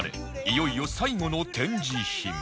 いよいよ最後の展示品